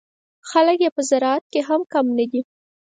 خلک یې په زراعت کې هم کم نه دي.